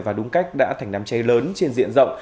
và đúng cách đã thành đám cháy lớn trên diện rộng